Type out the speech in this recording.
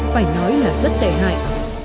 phải nói là rất tệ hại